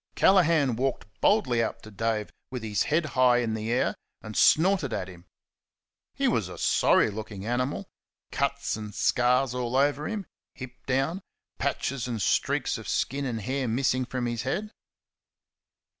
Callaghan walked boldly up to Dave, with his head high in the air, and snorted at him. He was a sorry looking animal cuts and scars all over him; hip down; patches and streaks of skin and hair missing from his head.